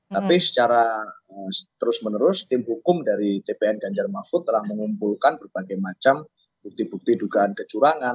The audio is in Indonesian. tapi secara terus menerus tim hukum dari cpn ganjar mahfud telah mengumpulkan berbagai macam bukti bukti dugaan kecurangan